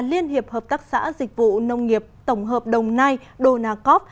liên hiệp hợp tác xã dịch vụ nông nghiệp tổng hợp đồng nai đô na cóc